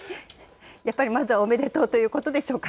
やっぱりまずはおめでとうということでしょうか。